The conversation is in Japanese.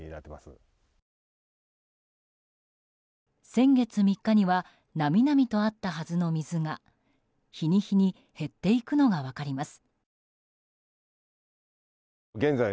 先月３日にはなみなみとあったはずの水が日に日に減っていくのが分かります。